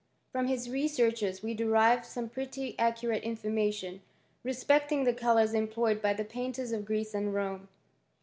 From his researches we derive some pi accurate information respecting the colours emp by the painters of Greece and Rome.